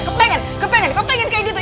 kepengen kepengen kayak gitu